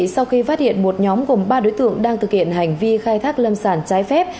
sau khi phát hiện một nhóm gồm ba đối tượng đang thực hiện hành vi khai thác lâm sản trái phép